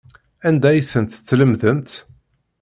Anda ay tent-tlemdemt?